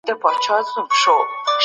د دماغونو د تیښتې مخه نیول سوې وه.